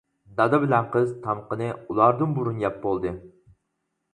دادا بىلەن قىز تامىقىنى ئۇلاردىن بۇرۇن يەپ بولدى.